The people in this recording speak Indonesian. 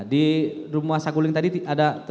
di rumah sakuling tadi ada juga